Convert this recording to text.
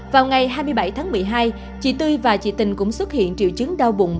vào ngày hai mươi bảy tháng một mươi hai chị tươi và chị tình cũng xuất hiện triệu chứng đau bụng